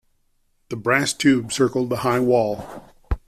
The brass tube circled the high wall.